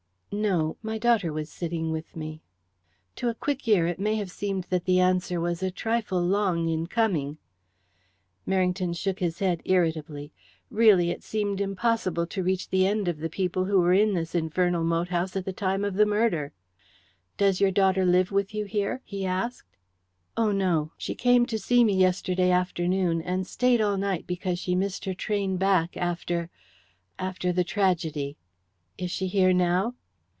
"No. My daughter was sitting with me." To a quick ear it may have seemed that the answer was a trifle long in coming. Merrington shook his head irritably. Really, it seemed impossible to reach the end of the people who were in this infernal moat house at the time of the murder. "Does your daughter live with you here?" he asked. "Oh, no. She came to see me yesterday afternoon, and stayed all night because she missed her train back after after the tragedy." "Is she here now?"